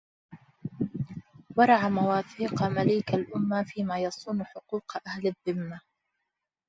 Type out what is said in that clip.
وارع مواثيق مليك الأمة فيما يصون حقوق أهل الذمة